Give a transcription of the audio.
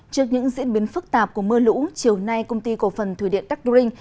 trước những diễn biến phức tạp của mưa lũ chiều nay công ty cổ phần thủy điện đắc đu rinh